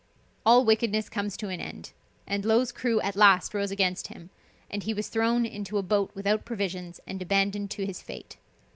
All wickedness comes to an end and Low's crew at last rose against him and he was thrown into a boat without provisions and abandoned to his fate.